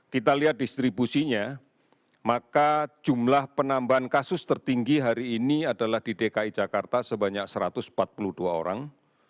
kita lihat distribusinya maka jumlah penambahan kasus tertinggi hari ini adalah di dki jakarta sebanyak satu ratus empat puluh dua orang